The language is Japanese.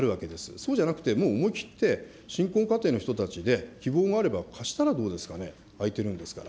そうじゃなくて、もう思いきって、新婚家庭の人たちで希望があれば貸したらどうですかね、空いてるんですから。